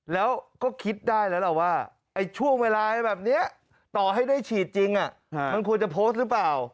แล้วก็คิดได้แล้วล่ะว่าช่วงเวลาแบบนี้ต่อให้ได้ฉีดจริงมันควรจะโพสต์หรือเปล่า